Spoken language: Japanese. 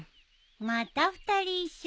また２人一緒？